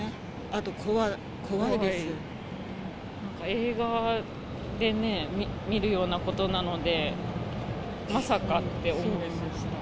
映画でね、見るようなことなので、まさかって思いました。